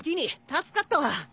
助かったわ！